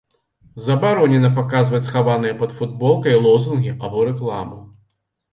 Забаронена паказваць схаваныя пад футболкай лозунгі або рэкламу.